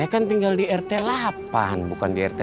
ya kan tinggal di rt delapan bukan di rt